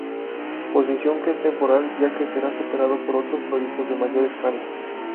Posición que es temporal ya que será superado por otros proyectos de mayor escala.